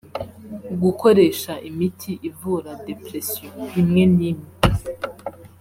Gukoresha imiti ivura depression( imwe n’ imwe )